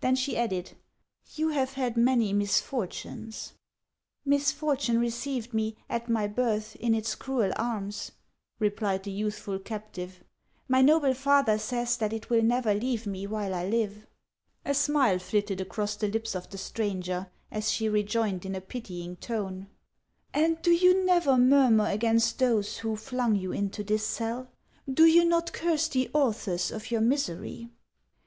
Then she added :" You have had many misfortunes !"" Misfortune received me, at my birth, in its cruel arms;" replied the youthful captive ;" my noble father says that it will never leave me while I live." A smile flitted across the lips of the stranger, as she rejoined in a pitying tone :" And do you never murmur against those who flung you into this cell \ Do you not curse the authors of your misery